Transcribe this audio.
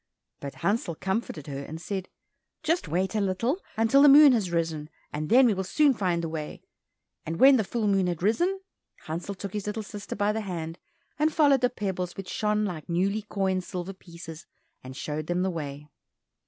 But Hansel comforted her and said, "Just wait a little, until the moon has risen, and then we will soon find the way." And when the full moon had risen, Hansel took his little sister by the hand, and followed the pebbles which shone like newly coined silver pieces, and showed them the way.